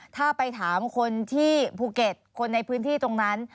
ถ้าไปถามคนที่ภูเก็ตคนในพื้นที่ตรงนั้น